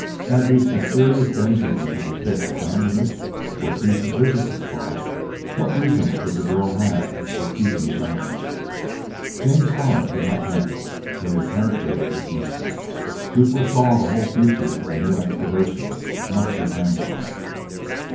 Had these mysterious denizens of the pit abandoned it, or ceased to visit the spot, what reason could the girl have had for keeping silence? James Starr could not rest till he had penetrated this mystery. He foresaw that the whole future of the new excavations must depend upon it.